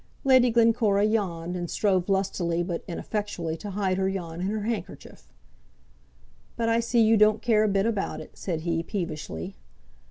Lady Glencora yawned, and strove lustily, but ineffectually, to hide her yawn in her handkerchief. "But I see you don't care a bit about it," said he, peevishly.